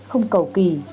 không cầu kỳ